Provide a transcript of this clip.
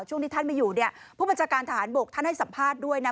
ที่ท่านไม่อยู่ผู้บัญชาการทหารบกท่านให้สัมภาษณ์ด้วยนะ